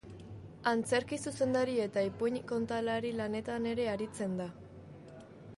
Antzerki zuzendari eta ipuin kontalari lanetan ere aritzen da.